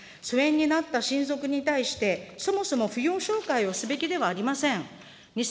疎遠になった親族に対して、そもそも扶養照会をすべきではありません。